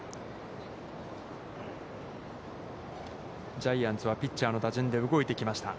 ジャイアンツはピッチャーの打順で動いてきました。